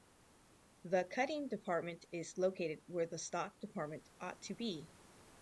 The cutting department is located where the stock department ought to be.